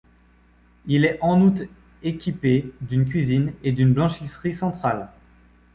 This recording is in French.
Il est en outre équipée d'une cuisine et d'une blanchisserie centrale.